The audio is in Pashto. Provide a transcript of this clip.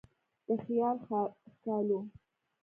د خیال ښکالو